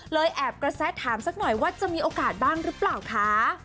แอบกระแสถามสักหน่อยว่าจะมีโอกาสบ้างหรือเปล่าคะ